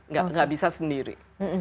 nggak bisa sendiri